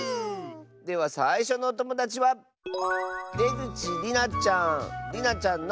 ではさいしょのおともだちはりなちゃんの。